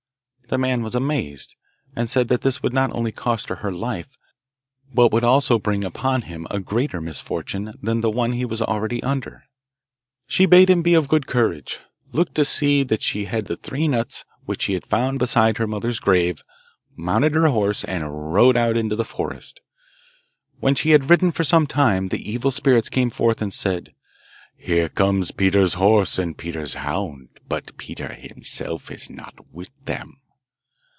The man was amazed, and said that this would not only cost her her life, but would also bring upon him a greater misfortune than the one he was already under. She bade him be of good courage, looked to see that she had the three nuts which she had found beside her mother's grave, mounted her horse, and rode out into the forest. When she had ridden for some time the evil spirits came forth and said, 'Here comes Peter's horse and Peter's hound; but Peter himself is not with them.